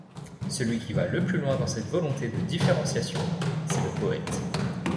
Celui qui va le plus loin dans cette volonté de différenciation, c'est le poète.